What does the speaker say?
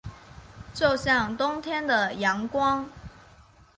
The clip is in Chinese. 就像冬天的阳光